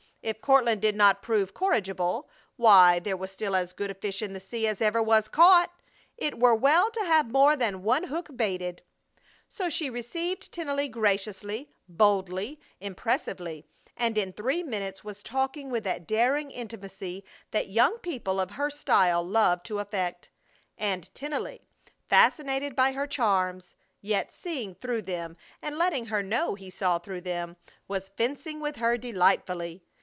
If Courtland did not prove corrigible, why, there was still as good fish in the sea as ever was caught. It were well to have more than one hook baited. So she received Tennelly graciously, boldly, impressively, and in three minutes was talking with that daring intimacy that young people of her style love to affect; and Tennelly, fascinated by her charms, yet seeing through them and letting her know he saw through them, was fencing with her delightfully.